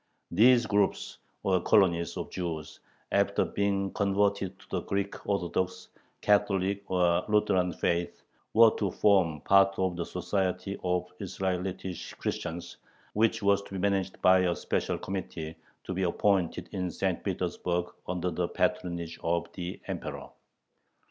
These groups, or colonies, of Jews, after being converted to the Greek Orthodox, Catholic, or Lutheran faith, were to form part of the "Society of Israelitish Christians," which was to be managed by a special committee to be appointed in St. Petersburg under the patronage of the Emperor.